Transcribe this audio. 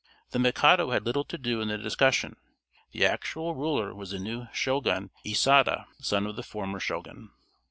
The Mikado had little to do in the discussion. The actual ruler was the new Shogun Iyésada, son of the former Shogun.